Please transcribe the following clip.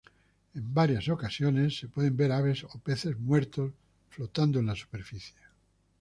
En varias ocasiones se pueden ver aves o peces muertos flotando en la superficie.